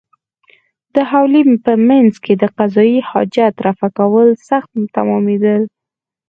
د حویلۍ په مېنځ کې د قضای حاجت رفع کول سخت تمامېدل.